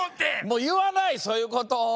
もういわないそういうことを。